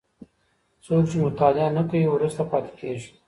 څوک چي مطالعه نه کوي وروسته پاتې کيږي.